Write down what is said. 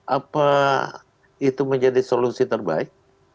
apa itu menjadi solusi terbaik